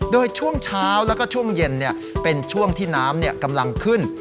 โดยช่วงเช้าแล้วก็ช่วงเย็นเป็นช่วงที่น้ำกำลังขึ้น